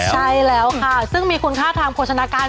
ใช่แล้วค่ะซึ่งมีคุณค่าทางโภชนาการ